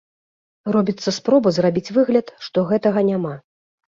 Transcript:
Робіцца спроба зрабіць выгляд, што гэтага няма.